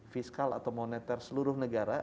fiskal atau moneter seluruh negara